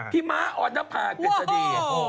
พี่ม้าออนภาเกร็จดี